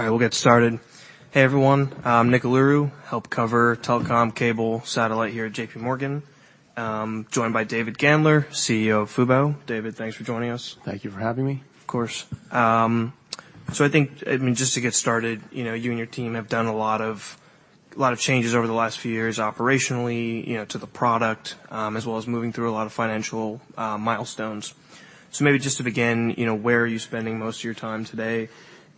All right, we'll get started. Hey, everyone, I'm Nikhil Aluru, help cover telecom, cable, satellite here at J.P. Morgan. Joined by David Gandler, CEO of Fubo. David, thanks for joining us. Thank you for having me. Of course. So I think, I mean, just to get started, you know, you and your team have done a lot of, a lot of changes over the last few years operationally, you know, to the product, as well as moving through a lot of financial, milestones. So maybe just to begin, you know, where are you spending most of your time today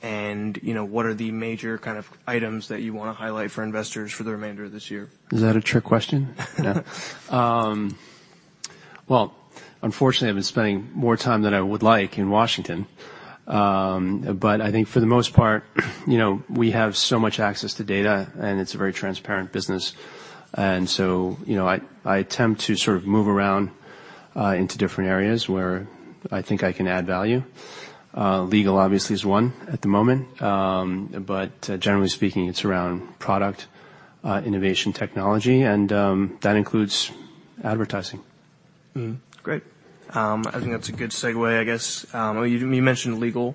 and, you know, what are the major kind of items that you wanna highlight for investors for the remainder of this year? Is that a trick question? No. Well, unfortunately, I've been spending more time than I would like in Washington. But I think for the most part, you know, we have so much access to data, and it's a very transparent business. So, you know, I attempt to sort of move around into different areas where I think I can add value. Legal, obviously, is one at the moment. But generally speaking, it's around product innovation, technology, and that includes advertising. Great. I think that's a good segue, I guess. You mentioned legal.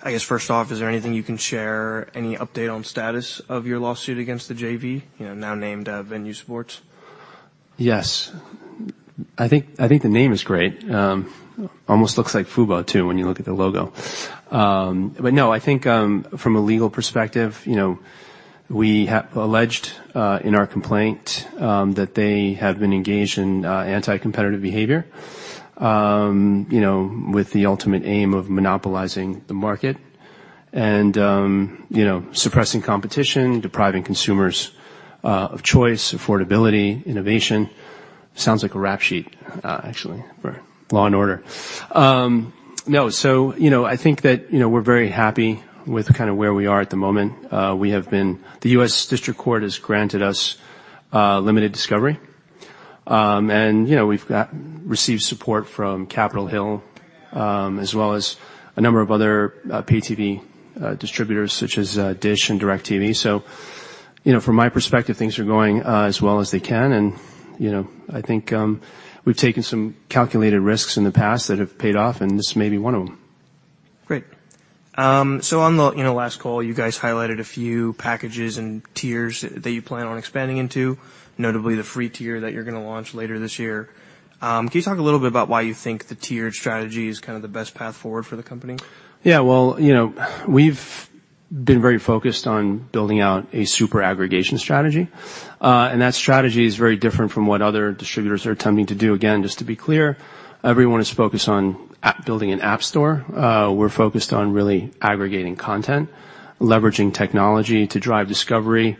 I guess, first off, is there anything you can share, any update on status of your lawsuit against the JV, you know, now named Venu Sports? Yes. I think, I think the name is great. Almost looks like Fubo, too, when you look at the logo. But no, I think, from a legal perspective, you know, we alleged in our complaint that they have been engaged in anti-competitive behavior, you know, with the ultimate aim of monopolizing the market and, you know, suppressing competition, depriving consumers of choice, affordability, innovation. Sounds like a rap sheet, actually, for Law & Order. No, so, you know, I think that, you know, we're very happy with kinda where we are at the moment. The U.S. District Court has granted us limited discovery and, you know, we've received support from Capitol Hill, as well as a number of other pay-TV distributors, such as DISH and DIRECTV. You know, from my perspective, things are going as well as they can, and, you know, I think we've taken some calculated risks in the past that have paid off, and this may be one of them. Great. So on the, you know, last call, you guys highlighted a few packages and tiers that you plan on expanding into, notably the free tier that you're gonna launch later this year. Can you talk a little bit about why you think the tiered strategy is kind of the best path forward for the company? Yeah, well, you know, we've been very focused on building out a super aggregation strategy, and that strategy is very different from what other distributors are attempting to do. Again, just to be clear, everyone is focused on building an app store. We're focused on really aggregating content, leveraging technology to drive discovery,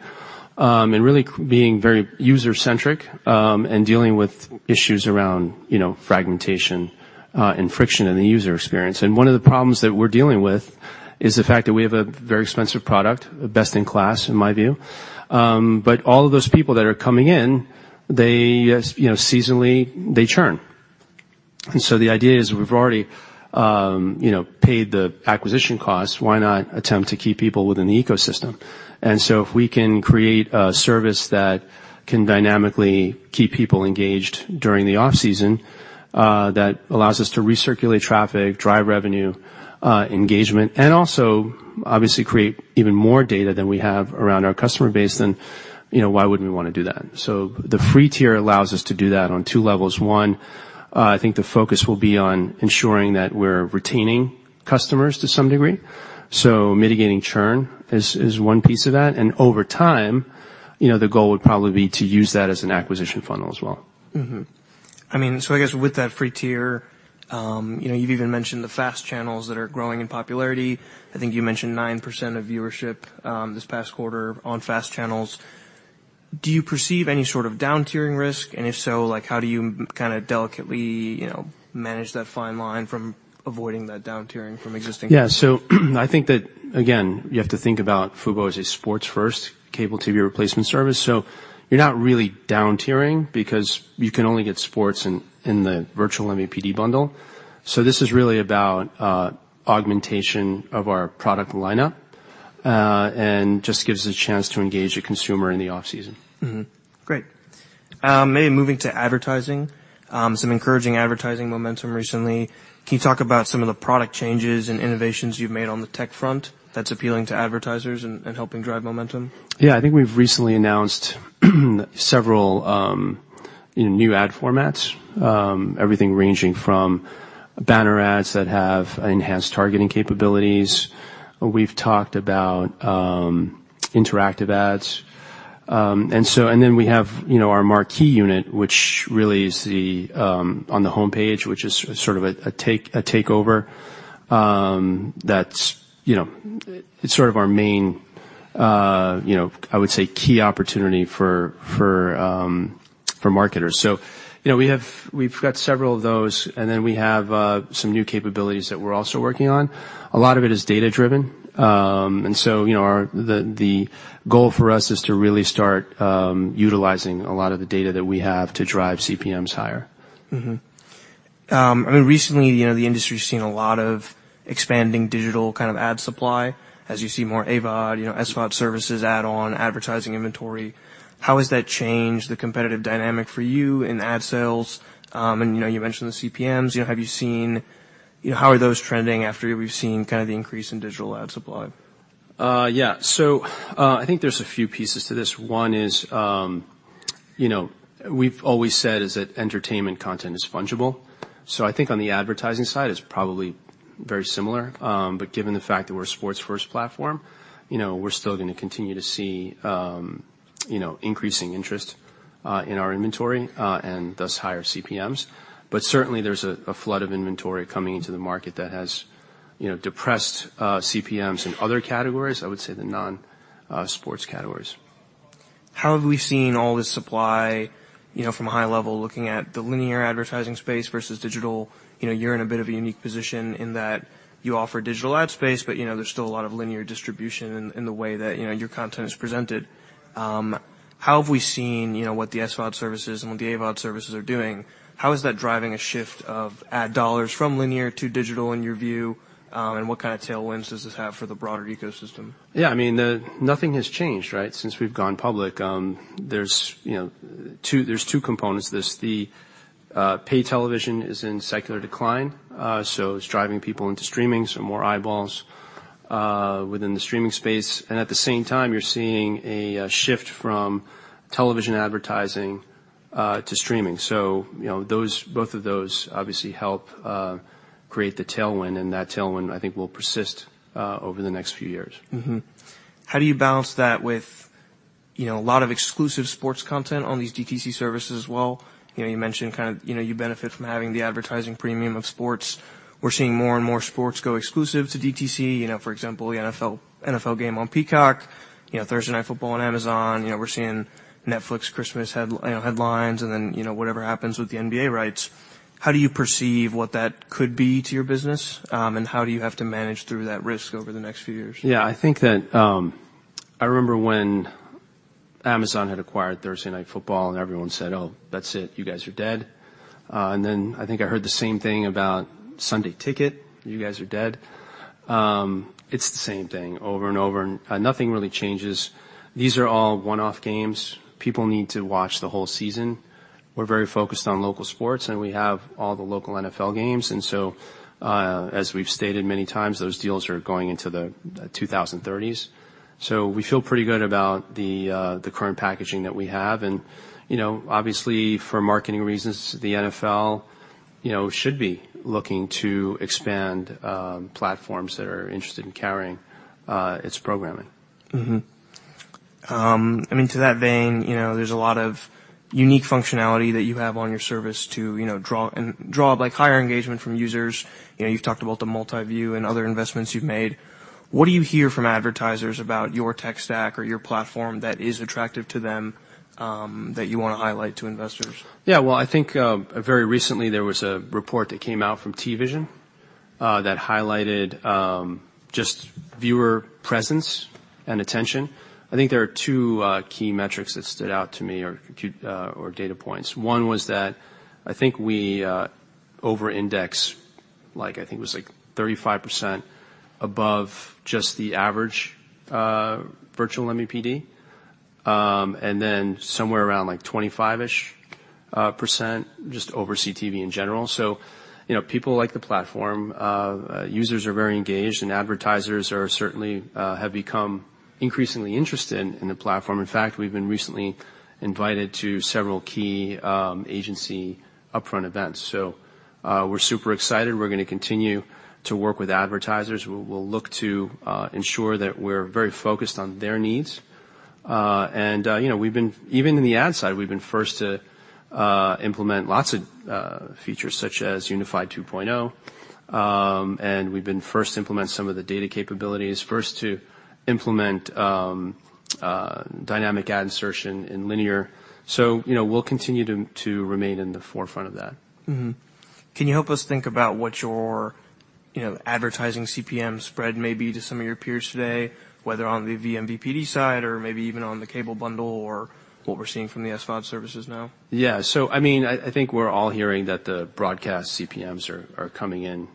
and really being very user-centric, and dealing with issues around, you know, fragmentation, and friction in the user experience. One of the problems that we're dealing with is the fact that we have a very expensive product, best-in-class, in my view. But all of those people that are coming in, they, as, you know, seasonally, they churn. So the idea is, we've already, you know, paid the acquisition costs. Why not attempt to keep people within the ecosystem? So if we can create a service that can dynamically keep people engaged during the off-season, that allows us to recirculate traffic, drive revenue, engagement, and also, obviously, create even more data than we have around our customer base, then, you know, why wouldn't we wanna do that? The free tier allows us to do that on two levels. One, I think the focus will be on ensuring that we're retaining customers to some degree. Mitigating churn is one piece of that, and over time, you know, the goal would probably be to use that as an acquisition funnel as well. I mean, so I guess with that free tier, you know, you've even mentioned the FAST channels that are growing in popularity. I think you mentioned 9% of viewership, this past quarter on FAST channels. Do you perceive any sort of down-tiering risk? If so, like, how do you kinda delicately, you know, manage that fine line from avoiding that down-tiering from existing- Yeah, so I think that, again, you have to think about Fubo as a sports-first cable TV replacement service, so you're not really down-tiering because you can only get sports in the virtual MVPD bundle. So this is really about augmentation of our product lineup, and just gives us a chance to engage the consumer in the off-season. Great. Maybe moving to advertising, some encouraging advertising momentum recently. Can you talk about some of the product changes and innovations you've made on the tech front that's appealing to advertisers and, and helping drive momentum? Yeah. I think we've recently announced several new ad formats, everything ranging from banner ads that have enhanced targeting capabilities. We've talked about interactive ads. Then we have, you know, our marquee unit, which really is the on the homepage, which is sort of a take, a takeover, that's, you know, it's sort of our main, you know, I would say, key opportunity for, for marketers. So, you know, we have—we've got several of those, and then we have some new capabilities that we're also working on. A lot of it is data-driven. So, you know, our the, the goal for us is to really start utilizing a lot of the data that we have to drive CPMs higher. I mean, recently, you know, the industry's seen a lot of expanding digital kind of ad supply as you see more AVOD, you know, SVOD services add on advertising inventory. How has that changed the competitive dynamic for you in ad sales? You know, you mentioned the CPMs. You know, have you seen... You know, how are those trending after we've seen kind of the increase in digital ad supply? Yeah. So, I think there's a few pieces to this. One is. You know, we've always said is that entertainment content is fungible. So I think on the advertising side, it's probably very similar. But given the fact that we're a sports-first platform, you know, we're still gonna continue to see, you know, increasing interest, in our inventory, and thus, higher CPMs. But certainly there's a flood of inventory coming into the market that has, you know, depressed, CPMs in other categories, I would say, the non, sports categories. How have we seen all this supply, you know, from a high level, looking at the linear advertising space versus digital? You know, you're in a bit of a unique position in that you offer digital ad space, but, you know, there's still a lot of linear distribution in the way that, you know, your content is presented. How have we seen, you know, what the SVOD services and what the AVOD services are doing? How is that driving a shift of ad dollars from linear to digital in your view, and what kind of tailwinds does this have for the broader ecosystem? Yeah, I mean, nothing has changed, right, since we've gone public. There's, you know, two components. There's the pay television is in secular decline, so it's driving people into streaming, so more eyeballs within the streaming space, and at the same time, you're seeing a shift from television advertising to streaming. So, you know, both of those obviously help create the tailwind, and that tailwind, I think, will persist over the next few years. How do you balance that with, you know, a lot of exclusive sports content on these DTC services as well? You know, you mentioned kind of, you know, you benefit from having the advertising premium of sports. We're seeing more and more sports go exclusive to DTC, you know, for example, the NFL, NFL game on Peacock, you know, Thursday Night Football on Amazon. You know, we're seeing Netflix, Christmas headlines, and then, you know, whatever happens with the NBA rights. How do you perceive what that could be to your business, and how do you have to manage through that risk over the next few years? Yeah, I think that I remember when Amazon had acquired Thursday Night Football, and everyone said, "Oh, that's it. You guys are dead." Then, I think I heard the same thing about Sunday Ticket: "You guys are dead." It's the same thing over and over, and nothing really changes. These are all one-off games. People need to watch the whole season. We're very focused on local sports, and we have all the local NFL games, and so, as we've stated many times, those deals are going into the 2030s. So we feel pretty good about the current packaging that we have and, you know, obviously, for marketing reasons, the NFL, you know, should be looking to expand platforms that are interested in carrying its programming. I mean, to that vein, you know, there's a lot of unique functionality that you have on your service to, you know, draw, like, higher engagement from users. You know, you've talked about the MultiView and other investments you've made. What do you hear from advertisers about your tech stack or your platform that is attractive to them, that you wanna highlight to investors? Yeah, well, I think, very recently, there was a report that came out from TVision, that highlighted, just viewer presence and attention. I think there are two key metrics that stood out to me or data points. One was that I think we over-index, like, I think it was, like, 35% above just the average virtual MVPD, and then somewhere around, like, 25-ish% just over CTV in general. So, you know, people like the platform. Users are very engaged, and advertisers are certainly have become increasingly interested in, in the platform. In fact, we've been recently invited to several key agency upfront events. So, we're super excited. We're gonna continue to work with advertisers. We'll, we'll look to ensure that we're very focused on their needs. You know, we've been- even in the ad side, we've been first to implement lots of features, such as Unified ID 2.0 and we've been first to implement some of the data capabilities, first to implement dynamic ad insertion in linear. So, you know, we'll continue to remain in the forefront of that. Can you help us think about what your, you know, advertising CPM spread may be to some of your peers today, whether on the vMVPD side or maybe even on the cable bundle or what we're seeing from the SVOD services now? Yeah. So I mean, I think we're all hearing that the broadcast CPMs are coming in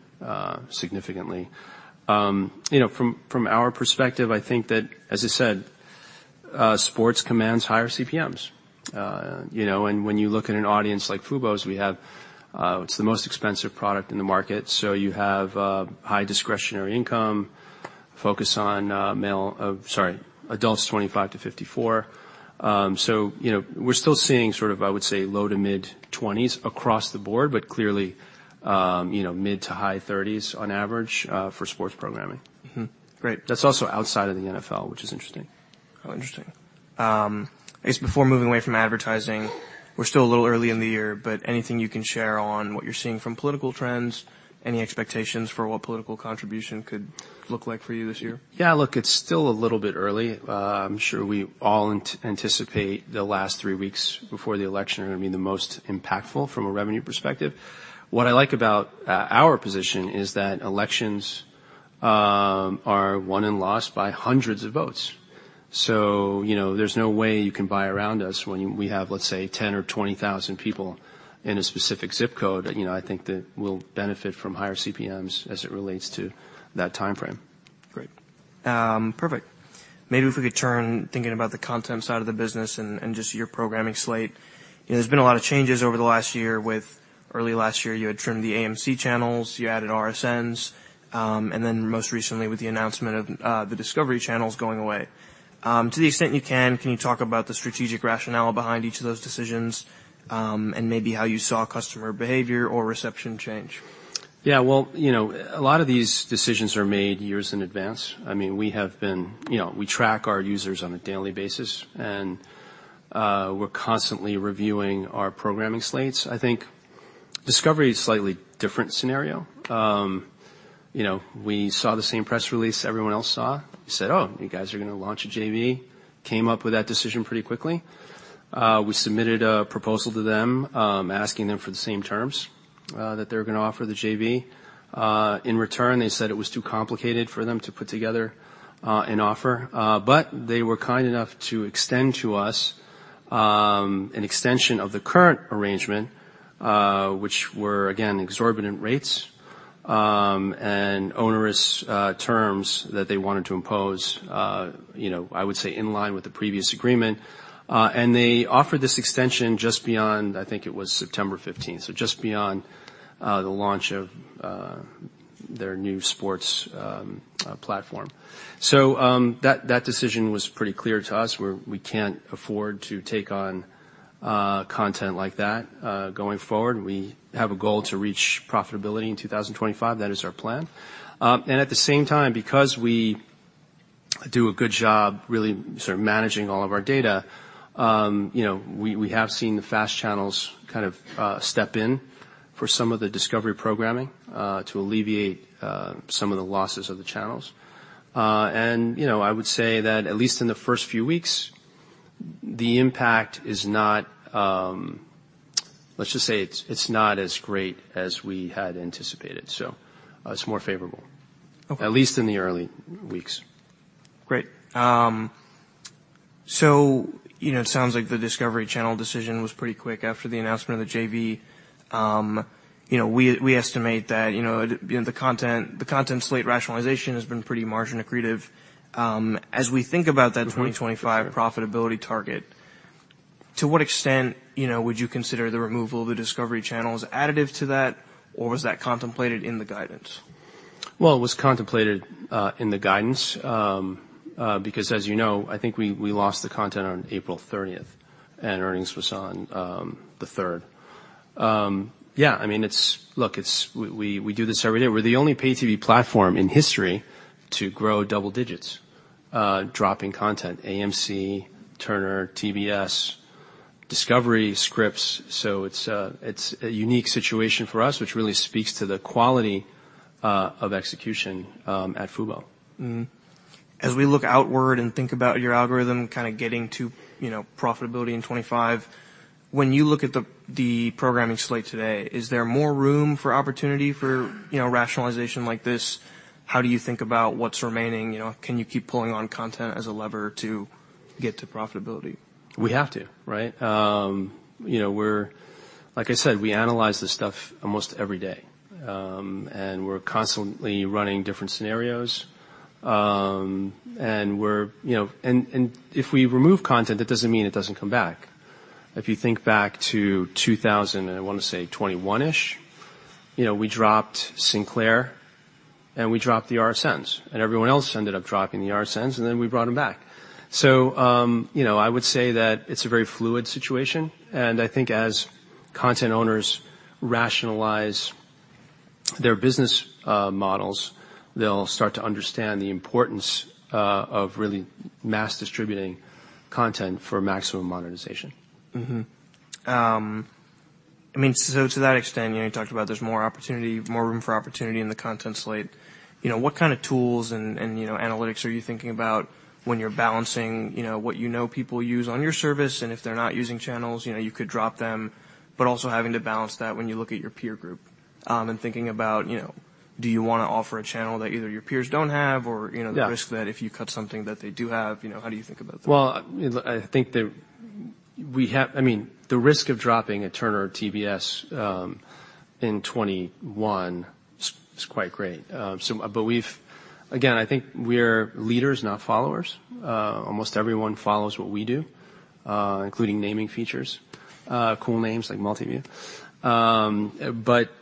significantly. You know, from our perspective, I think that, as I said, sports commands higher CPMs. You know, and when you look at an audience like Fubo's, we have... It's the most expensive product in the market. So you have high discretionary income, focus on male, sorry, adults, 25-54. So, you know, we're still seeing sort of, I would say, low- to mid-20s across the board, but clearly, you know, mid- to high 30s on average for sports programming. Great. That's also outside of the NFL, which is interesting. Oh, interesting. I guess before moving away from advertising, we're still a little early in the year, but anything you can share on what you're seeing from political trends, any expectations for what political contribution could look like for you this year? Yeah, look, it's still a little bit early. I'm sure we all anticipate the last three weeks before the election are gonna be the most impactful from a revenue perspective. What I like about our position is that elections are won and lost by hundreds of votes. So, you know, there's no way you can buy around us when we have, let's say, 10,000 or 20,000 people in a specific zip code. You know, I think that we'll benefit from higher CPMs as it relates to that timeframe. Great. Perfect. Maybe if we could turn to thinking about the content side of the business and just your programming slate. You know, there's been a lot of changes over the last year with early last year, you had trimmed the AMC channels, you added RSNs, and then most recently, with the announcement of the Discovery channels going away. To the extent you can, can you talk about the strategic rationale behind each of those decisions, and maybe how you saw customer behavior or reception change? Yeah, well, you know, a lot of these decisions are made years in advance. I mean, you know, we track our users on a daily basis, and we're constantly reviewing our programming slates. I think Discovery is a slightly different scenario. You know, we saw the same press release everyone else saw. We said, "Oh, you guys are going to launch a JV." Came up with that decision pretty quickly. We submitted a proposal to them, asking them for the same terms that they were going to offer the JV. In return, they said it was too complicated for them to put together an offer, but they were kind enough to extend to us an extension of the current arrangement, which were, again, exorbitant rates and onerous terms that they wanted to impose. You know, I would say, in line with the previous agreement, and they offered this extension just beyond, I think it was September 15th, so just beyond the launch of their new sports platform. So, that decision was pretty clear to us, where we can't afford to take on content like that going forward. We have a goal to reach profitability in 2025. That is our plan. At the same time, because we do a good job of really sort of managing all of our data, you know, we have seen the FAST channels kind of step in for some of the Discovery programming to alleviate some of the losses of the channels. You know, I would say that at least in the first few weeks, the impact is not, let's just say, it's, it's not as great as we had anticipated, so, it's more favorable- Okay. at least in the early weeks. Great. So, you know, it sounds like the Discovery channel decision was pretty quick after the announcement of the JV. You know, we estimate that, you know, the content slate rationalization has been pretty margin accretive. As we think about that 2025 profitability target, to what extent, you know, would you consider the removal of the Discovery channels additive to that, or was that contemplated in the guidance? Well, it was contemplated in the guidance, because, as you know, I think we lost the content on April 30th, and earnings was on the 3rd. Yeah, I mean, look, it's- we do this every day. We're the only paid TV platform in history to grow double digits, dropping content, AMC, Turner, TBS, Discovery, Scripps. So it's a unique situation for us, which really speaks to the quality of execution at Fubo. As we look outward and think about your algorithm, kind of getting to, you know, profitability in 2025, when you look at the programming slate today, is there more room for opportunity for, you know, rationalization like this? How do you think about what's remaining? You know, can you keep pulling on content as a lever to get to profitability? We have to, right? You know, we're, like I said, we analyze this stuff almost every day, and we're constantly running different scenarios and we're, you know, and if we remove content, that doesn't mean it doesn't come back. If you think back to 2021-ish, you know, we dropped Sinclair, and we dropped the RSNs, and everyone else ended up dropping the RSNs, and then we brought them back. So, you know, I would say that it's a very fluid situation, and I think as content owners rationalize their business models, they'll start to understand the importance of really mass distributing content for maximum monetization. I mean, so to that extent, you know, you talked about there's more opportunity, more room for opportunity in the content slate. You know, what kind of tools and, you know, analytics are you thinking about when you're balancing, you know, what you know people use on your service, and if they're not using channels, you know, you could drop them, but also having to balance that when you look at your peer group and thinking about, you know, do you want to offer a channel that either your peers don't have or, you know- Yeah... the risk that if you cut something that they do have, you know, how do you think about that? Well, I think I mean, the risk of dropping a Turner or TBS in 21 is quite great. But we've... Again, I think we're leaders, not followers. Almost everyone follows what we do, including naming features, cool names like MultiView. But yeah,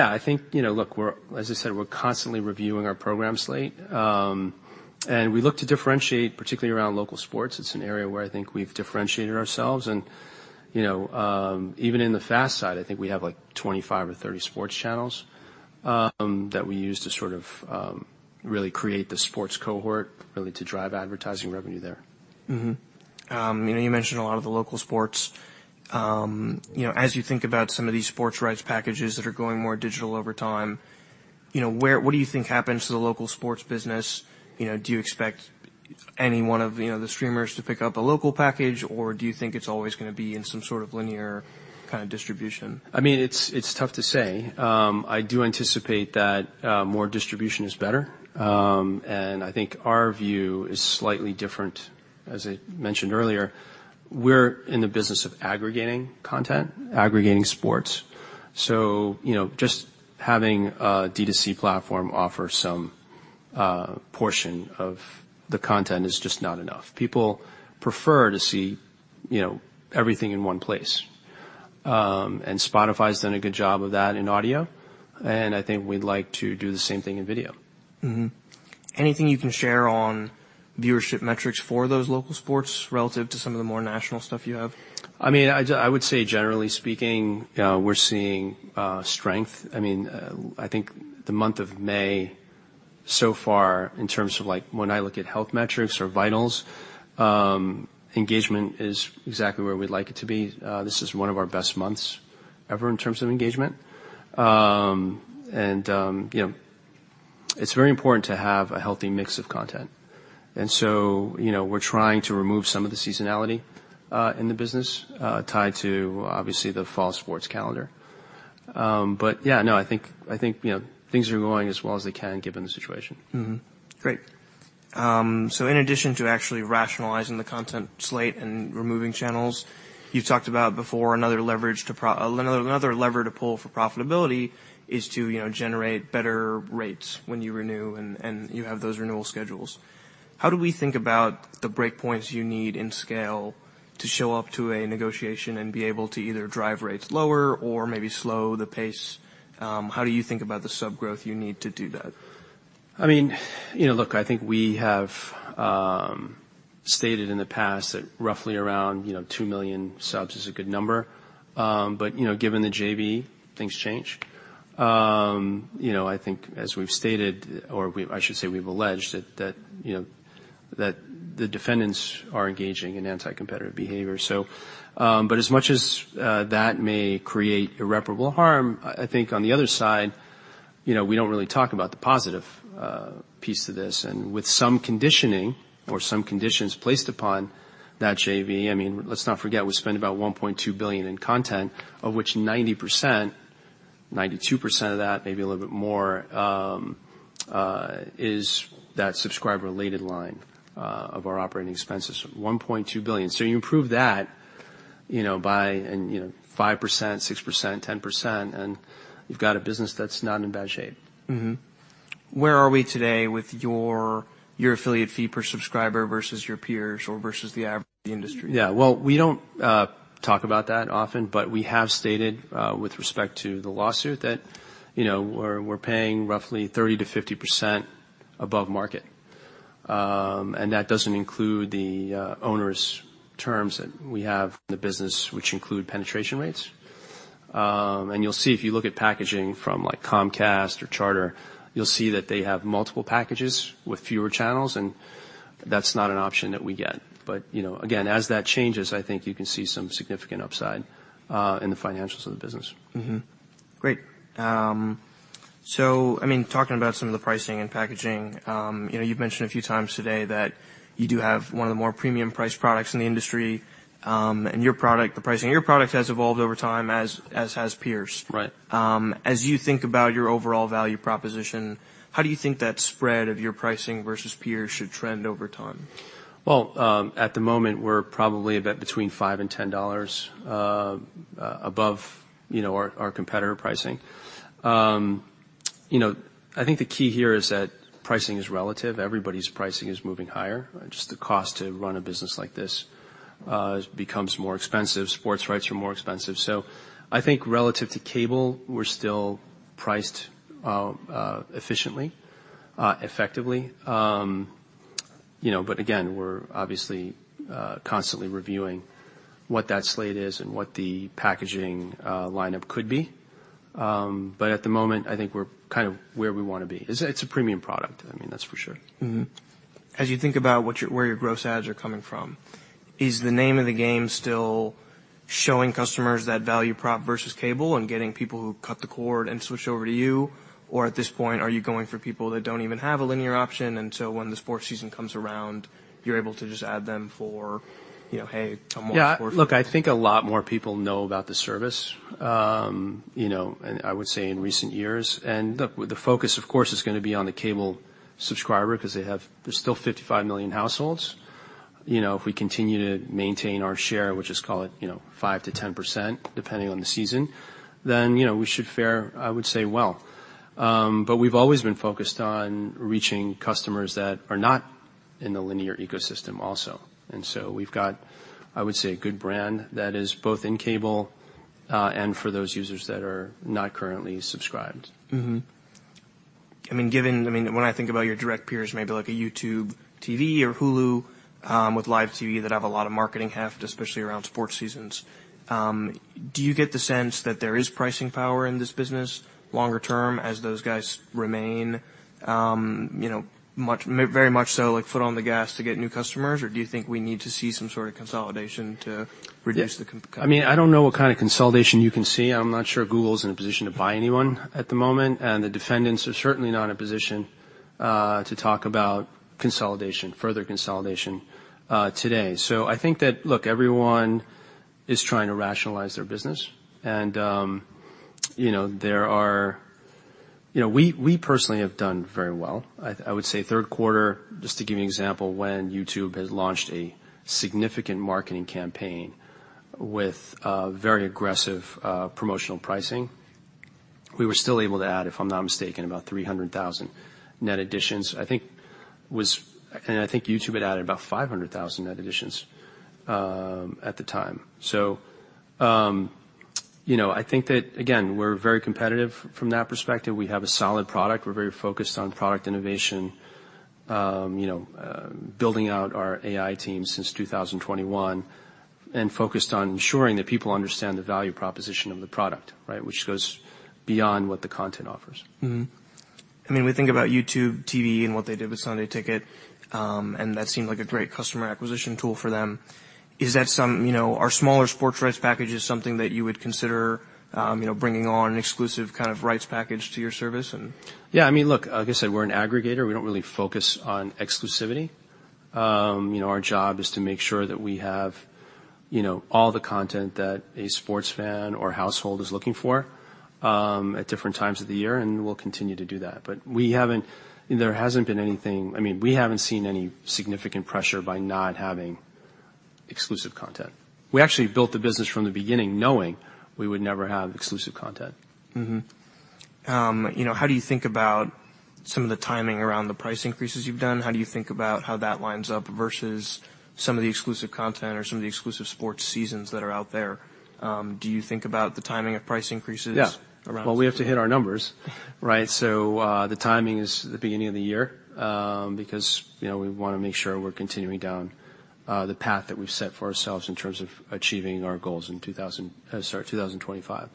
I think, you know, look, we're, as I said, we're constantly reviewing our program slate, and we look to differentiate, particularly around local sports. It's an area where I think we've differentiated ourselves and, you know, even in the FAST side, I think we have, like, 25 or 30 sports channels, that we use to sort of, really create the sports cohort, really to drive advertising revenue there. You know, you mentioned a lot of the local sports. You know, as you think about some of these sports rights packages that are going more digital over time, what do you think happens to the local sports business? You know, do you expect any one of, you know, the streamers to pick up a local package, or do you think it's always gonna be in some sort of linear kind of distribution? I mean, it's tough to say. I do anticipate that, more distribution is better. I think our view is slightly different. As I mentioned earlier, we're in the business of aggregating content, aggregating sports. So, you know, just having a D2C platform offer some portion of the content is just not enough. People prefer to see, you know, everything in one place and Spotify's done a good job of that in audio, and I think we'd like to do the same thing in video. Anything you can share on viewership metrics for those local sports relative to some of the more national stuff you have? I mean, I would say, generally speaking, we're seeing strength. I mean, I think the month of May, so far, in terms of, like, when I look at health metrics or vitals, engagement is exactly where we'd like it to be. This is one of our best months ever, in terms of engagement. You know, it's very important to have a healthy mix of content. So, you know, we're trying to remove some of the seasonality in the business tied to, obviously, the fall sports calendar. But yeah, no, I think, you know, things are going as well as they can, given the situation. Great. So in addition to actually rationalizing the content slate and removing channels you've talked about before, another lever to pull for profitability is to, you know, generate better rates when you renew and you have those renewal schedules. How do we think about the breakpoints you need in scale to show up to a negotiation and be able to either drive rates lower or maybe slow the pace? How do you think about the sub growth you need to do that? I mean, you know, look, I think we have stated in the past that roughly around, you know, 2 million subs is a good number. But, you know, given the JV, things change. You know, I think as we've stated, or we've, I should say we've alleged, that you know, that the defendants are engaging in anti-competitive behavior. But as much as that may create irreparable harm, I think on the other side, you know, we don't really talk about the positive piece to this and with some conditioning or some conditions placed upon that JV. I mean, let's not forget, we spend about $1.2 billion in content, of which 90%-92% of that, maybe a little bit more, is that subscriber-related line of our operating expenses, $1.2 billion. So you improve that, you know, by, and you know, 5%, 6%, 10%, and you've got a business that's not in bad shape. Where are we today with your, your affiliate fee per subscriber versus your peers or versus the average industry? Yeah. Well, we don't talk about that often, but we have stated with respect to the lawsuit that, you know, we're paying roughly 30%-50% above market and that doesn't include the onerous terms that we have in the business, which include penetration rates. You'll see, if you look at packaging from, like, Comcast or Charter, you'll see that they have multiple packages with fewer channels, and that's not an option that we get. But, you know, again, as that changes, I think you can see some significant upside in the financials of the business. Great. So, I mean, talking about some of the pricing and packaging, you know, you've mentioned a few times today that you do have one of the more premium priced products in the industry and your product, the pricing of your product, has evolved over time, as has peers. Right. As you think about your overall value proposition, how do you think that spread of your pricing versus peers should trend over time? Well, at the moment, we're probably about between $5 and $10 above, you know, our, our competitor pricing. You know, I think the key here is that pricing is relative. Everybody's pricing is moving higher. Just the cost to run a business like this, becomes more expensive. Sports rights are more expensive. So I think relative to cable, we're still priced, efficiently, effectively. You know, but again, we're obviously, constantly reviewing what that slate is and what the packaging, lineup could be. But at the moment, I think we're kind of where we wanna be. It's, it's a premium product, I mean, that's for sure. As you think about where your gross adds are coming from, is the name of the game still showing customers that value prop versus cable and getting people who cut the cord and switch over to you or at this point, are you going for people that don't even have a linear option, and so when the sports season comes around, you're able to just add them for, you know, "Hey, come on board?" Yeah. Look, I think a lot more people know about the service, you know, and I would say in recent years. Look, the focus, of course, is gonna be on the cable subscriber, 'cause they have- there's still 55 million households. You know, if we continue to maintain our share, which is, call it, you know, 5%-10%, depending on the season, then, you know, we should fare, I would say, well. But we've always been focused on reaching customers that are not in the linear ecosystem also. So we've got, I would say, a good brand that is both in cable, and for those users that are not currently subscribed. I mean, given... I mean, when I think about your direct peers, maybe like a YouTube TV or Hulu, with live TV that have a lot of marketing heft, especially around sports seasons, do you get the sense that there is pricing power in this business longer term, as those guys remain, you know, very much so, like, foot on the gas to get new customers or do you think we need to see some sort of consolidation to reduce the com- I mean, I don't know what kind of consolidation you can see. I'm not sure Google is in a position to buy anyone at the moment, and the defendants are certainly not in a position to talk about consolidation, further consolidation, today. So I think that, look, everyone is trying to rationalize their business, and you know, we personally have done very well. I would say third quarter, just to give you an example, when YouTube has launched a significant marketing campaign with very aggressive promotional pricing, we were still able to add, if I'm not mistaken, about 300,000 net additions. I think and I think YouTube had added about 500,000 net additions at the time. So you know, I think that, again, we're very competitive from that perspective. We have a solid product. We're very focused on product innovation, you know, building out our AI team since 2021, and focused on ensuring that people understand the value proposition of the product, right, which goes beyond what the content offers. I mean, we think about YouTube TV and what they did with Sunday Ticket, and that seemed like a great customer acquisition tool for them. You know, are smaller sports rights packages something that you would consider, you know, bringing on an exclusive kind of rights package to your service? Yeah, I mean, look, like I said, we're an aggregator. We don't really focus on exclusivity. You know, our job is to make sure that we have, you know, all the content that a sports fan or household is looking for, at different times of the year, and we'll continue to do that. But we haven't. There hasn't been anything. I mean, we haven't seen any significant pressure by not having exclusive content. We actually built the business from the beginning, knowing we would never have exclusive content. You know, how do you think about some of the timing around the price increases you've done? How do you think about how that lines up versus some of the exclusive content or some of the exclusive sports seasons that are out there? Do you think about the timing of price increases- Yeah. Around- Well, we have to hit our numbers, right? So, the timing is the beginning of the year, because, you know, we wanna make sure we're continuing down, the path that we've set for ourselves in terms of achieving our goals in 2025.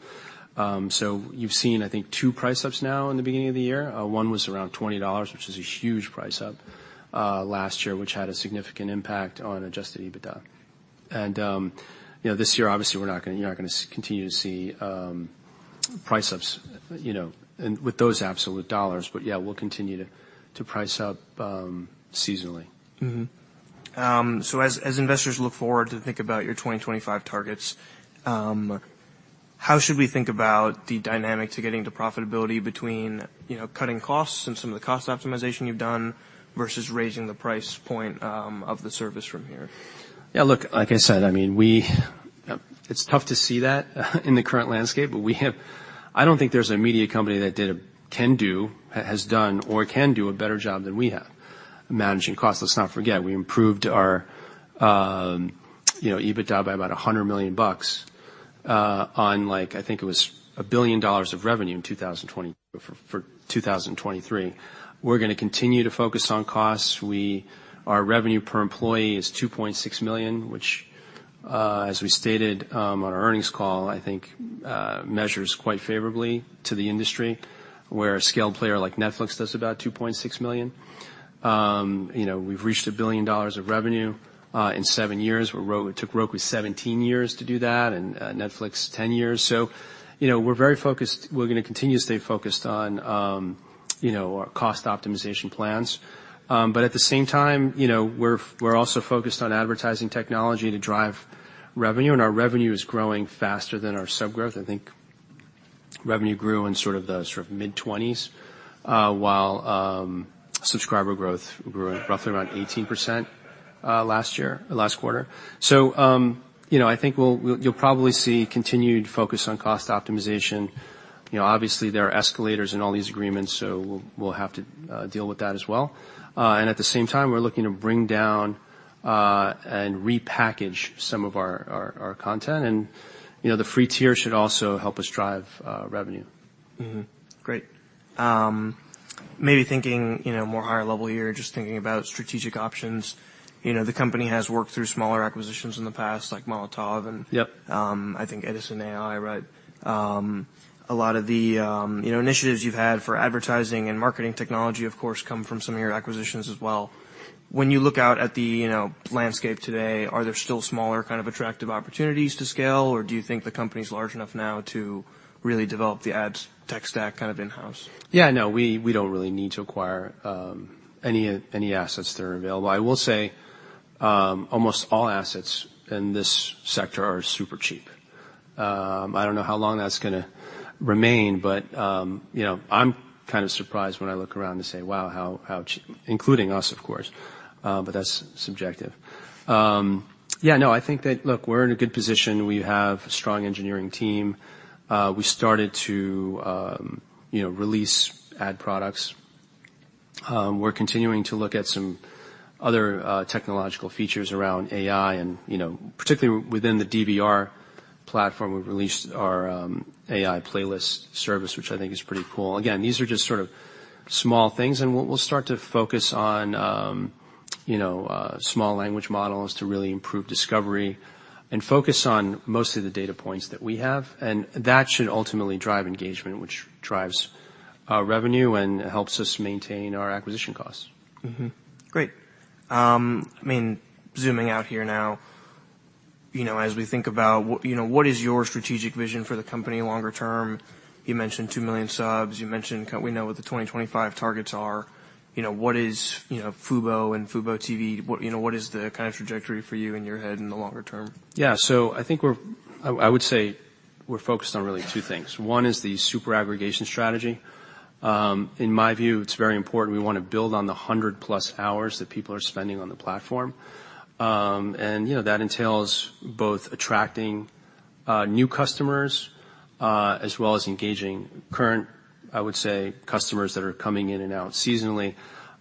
So you've seen, I think, two price ups now in the beginning of the year. One was around $20, which is a huge price up, last year, which had a significant impact on adjusted EBITDA and, you know, this year, obviously, we're not gonna, you're not gonna continue to see, price ups, you know, and with those absolute dollars, but, yeah, we'll continue to price up, seasonally. So as investors look forward to think about your 2025 targets, how should we think about the dynamic to getting to profitability between, you know, cutting costs and some of the cost optimization you've done versus raising the price point of the service from here? Yeah, look, like I said, I mean, it's tough to see that, in the current landscape, but we have... I don't think there's an immediate company that can do, has done, or can do a better job than we have, managing costs. Let's not forget, we improved our, you know, EBITDA by about $100 million, on, like, I think it was $1 billion of revenue in 2022 for 2023. We're gonna continue to focus on costs. Our revenue per employee is $2.6 million, which, as we stated, on our earnings call, I think, measures quite favorably to the industry, where a scaled player like Netflix does about $2.6 million. You know, we've reached $1 billion of revenue in seven years. It took Roku 17 years to do that, and Netflix, 10 years. So, you know, we're very focused. We're gonna continue to stay focused on, you know, our cost optimization plans but at the same time, you know, we're, we're also focused on advertising technology to drive revenue, and our revenue is growing faster than our sub growth. I think revenue grew in sort of the sort of mid-20s, while subscriber growth grew roughly around 18%, last year, last quarter. So, you know, I think we'll-- you'll probably see continued focus on cost optimization. You know, obviously, there are escalators in all these agreements, so we'll have to deal with that as well. And at the same time, we're looking to bring down and repackage some of our, our, our content. You know, the free tier should also help us drive revenue. Great. Maybe thinking, you know, more higher level here, just thinking about strategic options. You know, the company has worked through smaller acquisitions in the past, like Molotov and- Yep. I think Edisn.ai, right? A lot of the, you know, initiatives you've had for advertising and marketing technology, of course, come from some of your acquisitions as well. When you look out at the, you know, landscape today, are there still smaller kind of attractive opportunities to scale, or do you think the company is large enough now to really develop the ad tech stack, kind of in-house? Yeah, no, we don't really need to acquire any assets that are available. I will say, almost all assets in this sector are super cheap. I don't know how long that's gonna remain, but you know, I'm kind of surprised when I look around and say, "Wow, how cheap," including us, of course, but that's subjective. Yeah, no, I think that, look, we're in a good position. We have a strong engineering team. We started to you know, release ad products. We're continuing to look at some other technological features around AI and you know, particularly within the DVR platform, we've released our AI playlist service, which I think is pretty cool. Again, these are just sort of small things, and we'll start to focus on, you know, small language models to really improve discovery and focus on most of the data points that we have and that should ultimately drive engagement, which drives our revenue and helps us maintain our acquisition costs. Great. I mean, zooming out here now, you know, as we think about what, you know, what is your strategic vision for the company longer term? You mentioned 2 million subs, we know what the 2025 targets are. You know, what is, you know, Fubo and FuboTV? What, you know, what is the kind of trajectory for you in your head in the longer term? Yeah. So I think we're... I, I would say we're focused on really two things. One is the super aggregation strategy. In my view, it's very important. We wanna build on the 100+ hours that people are spending on the platform and, you know, that entails both attracting new customers as well as engaging current, I would say, customers that are coming in and out seasonally,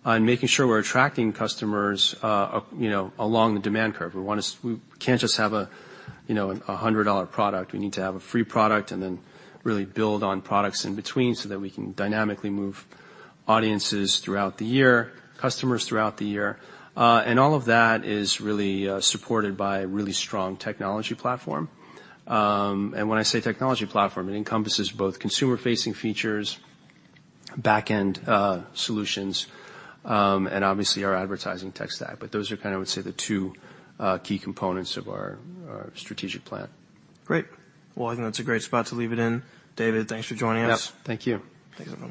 on making sure we're attracting customers, you know, along the demand curve. We want to... We can't just have a, you know, a $100 product. We need to have a free product and then really build on products in between, so that we can dynamically move audiences throughout the year, customers throughout the year. All of that is really supported by a really strong technology platform. When I say technology platform, it encompasses both consumer-facing features, back-end solutions, and obviously, our advertising tech stack. But those are kind of, I would say, the two key components of our strategic plan. Great. Well, I think that's a great spot to leave it in. David, thanks for joining us. Yep. Thank you. Thanks so much.